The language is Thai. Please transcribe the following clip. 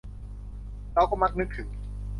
เราก็มักนึกถึง